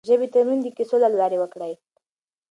د ژبې تمرين د کيسو له لارې وکړئ.